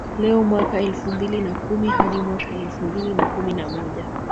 leoMwaka elfu mbili na kumi hadi mwaka elfu mbili na kumi na moja